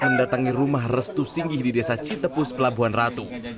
mendatangi rumah restu singgih di desa citepus pelabuhan ratu